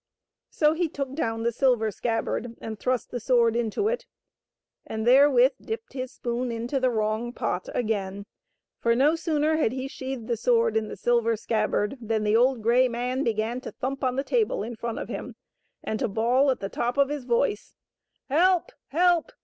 So he took down the silver scabbard and thrust the sword into it, and therewith dipped his spoon into the wrong pot again ; for, no sooner had he sheathed the sword in the silver scabbard than the old gray man began to thump on the table in front of him and to bawl at the top of his voice, " Help ! help